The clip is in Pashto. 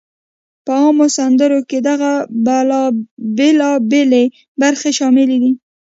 په عامو سندرو کې دغه بېلابېلی برخې شاملې دي: